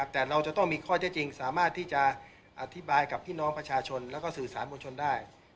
แต่เราจะต้องมีข้อเท็จจริงสามารถที่จะอธิบายกับพี่น้องประชาชนแล้วก็สื่อสารมวลชนได้